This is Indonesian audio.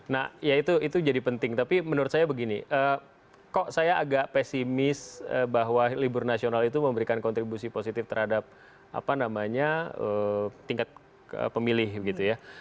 nah ya itu jadi penting tapi menurut saya begini kok saya agak pesimis bahwa libur nasional itu memberikan kontribusi positif terhadap apa namanya tingkat pemilih gitu ya